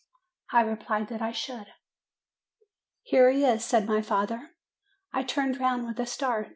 I replied that I should. "Here he is," said my father. I turned round with a start.